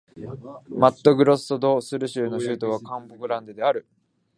マットグロッソ・ド・スル州の州都はカンポ・グランデである